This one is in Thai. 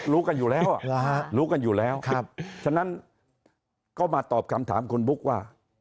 รู้กันอยู่แล้วรู้กันอยู่แล้วฉะนั้นก็มาตอบคำถามคุณบุ๊กว่า